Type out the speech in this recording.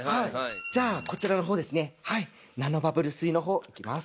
じゃあこちらの方ですねナノバブル水の方いきます。